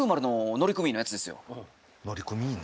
乗組員の？